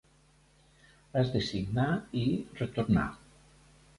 Has de signar i retornar.